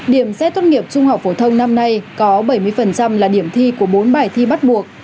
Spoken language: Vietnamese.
điểm xét tốt nghiệp trung học phổ thông năm nay có bảy mươi là điểm thi của bốn bài thi bắt buộc